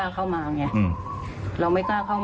ครับ